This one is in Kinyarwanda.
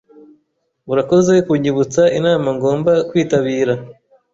Urakoze kunyibutsa inama ngomba kwitabira.